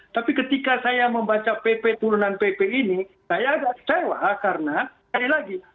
tapi ketika saya membaca pp turunan pp ini saya agak kecewa karena sekali lagi